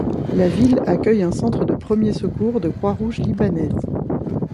La ville accueille un centre de premiers secours de Croix-Rouge libanaise.